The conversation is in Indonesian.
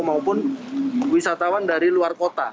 maupun wisatawan dari luar kota